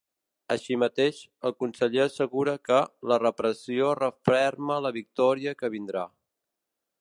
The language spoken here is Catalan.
Així mateix, el conseller assegura que ‘la repressió referma la victòria que vindrà’.